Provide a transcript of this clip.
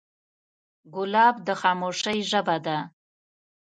ګلاب د خاموشۍ ژبه ده.